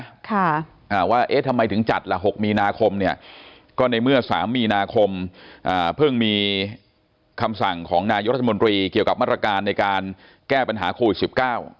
ก็คือแอ้วค่ะว่าเอ๊ะทำไมถึงจัดล่ะ๖มีนาคเนี่ยก็ในเมื่อ๓มีนาคเพิ่งมีคำสั่งของนายรัฐบุรีเกี่ยวกับมัตรการในการแก้ปัญหาโควิส๑๙